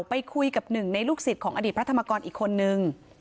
ไปคุยกับหนึ่งในลูกศิษย์ของอดีตพระธรรมกรอีกคนนึง